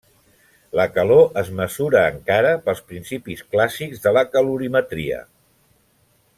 La calor es mesura encara pels principis clàssics de la calorimetria.